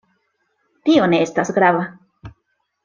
Tio ne estas grava.